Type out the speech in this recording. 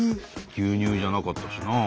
牛乳じゃなかったしなあ。